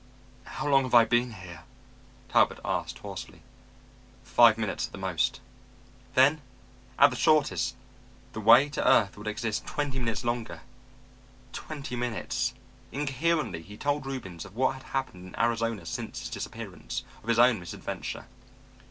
"How long have I been here?" Talbot asked hoarsely. "Five minutes at the most." Then, at the shortest, the way to earth would exist twenty minutes longer. Twenty minutes.... Incoherently he told Reubens of what had happened in Arizona since his disappearance, of his own misadventure.